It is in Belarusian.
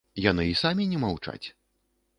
Яны і самі не маўчаць.